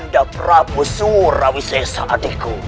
anda prabu surawisai sa'adikku